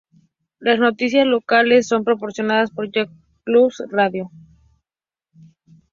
Las noticias locales son proporcionadas por Yorkshire Coast Radio